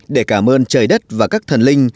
để cảm ơn trời đất và các thần linh